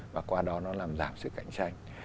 và qua đó nó làm giảm sự cạnh tranh